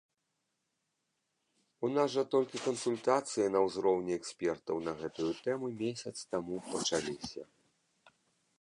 У нас жа толькі кансультацыі на ўзроўні экспертаў на гэтую тэму месяц таму пачаліся.